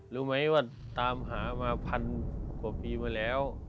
รู้ไหมว่าตามหามาพันกว่าปีมาแล้ว